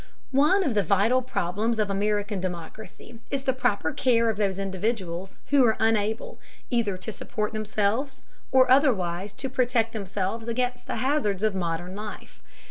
One of the vital problems of American democracy is the proper care of those individuals who are unable, either to support themselves, or otherwise to protect themselves against the hazards of modern life.